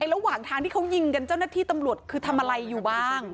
ระหว่างทางที่เขายิงกันเจ้าหน้าที่ตำรวจคือทำอะไรอยู่บ้าง